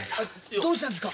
どうしたんですか？